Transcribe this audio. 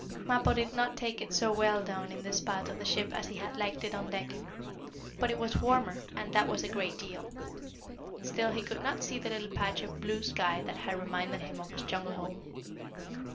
Mappo did not like it so well down in this part of the ship as he had liked it on deck. But it was warmer, and that was a great deal. Still he could not see the little patch of blue sky that had reminded him of his jungle home.